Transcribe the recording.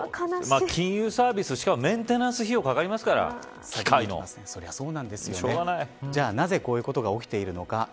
金融サービス、しかもメンテナンス費用かかりますからでは、なぜこういうことが起きているのか。